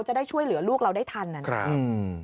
จะได้ช่วยเหลือลูกเราได้ทันนะครับ